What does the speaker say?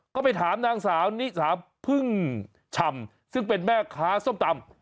ก็ไปถามนางสาวนิสาพึ่งชำซึ่งเป็นแม่ค้าส้มตำ